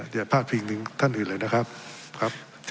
อย่าพลาดพิงถึงท่านอื่นเลยนะครับ